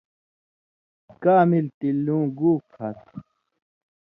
کا ملیۡ تِلیۡ لُوں گُو کھاتُھو۔